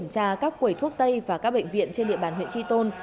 cha các quầy thuốc tây và các bệnh viện trên địa bàn huyện tri tôn